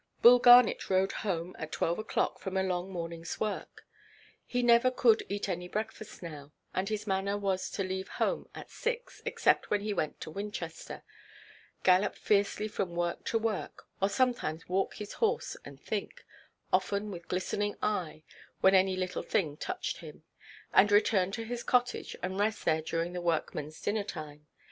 Bull Garnet rode home at twelve oʼclock from a long morningʼs work. He never could eat any breakfast now, and his manner was to leave home at six (except when he went to Winchester), gallop fiercely from work to work, or sometimes walk his horse and think, often with glistening eyes (when any little thing touched him), and return to his cottage and rest there during the workmenʼs dinner–time.